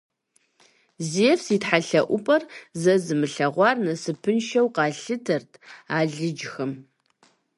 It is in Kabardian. Зевс и тхьэелъэӀупӀэр зэ зымылъэгъуар насыпыншэу къалъытэрт алыджхэм.